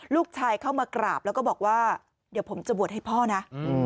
เข้ามากราบแล้วก็บอกว่าเดี๋ยวผมจะบวชให้พ่อนะ